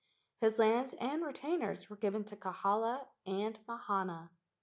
His lands and retainers were given to Kahala and Mahana.